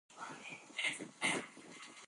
په پوره تفصيل او جزئياتو سره ذکر سوي دي،